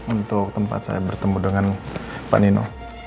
untuk tempat saya bertemu dengan pak nino